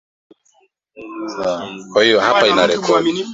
iba mpya ya nchi hiyo itapunguza mamlaka ya marais lakini pia